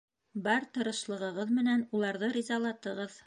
Бар тырышлығығыҙ менән уларҙы ризалатығыҙ.